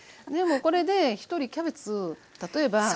でもこれで１人キャベツ例えば。